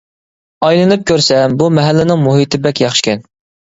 ئايلىنىپ كۆرسەم، بۇ مەھەللىنىڭ مۇھىتى بەك ياخشىكەن.